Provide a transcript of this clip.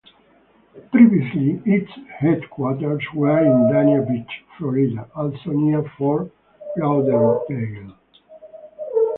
Previously its headquarters were in Dania Beach, Florida, also near Fort Lauderdale.